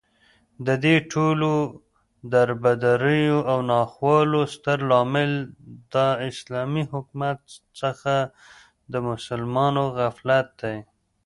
ددې ټولو دربدريو او ناخوالو ستر لامل داسلامې حكومت څخه دمسلمانانو غفلت دى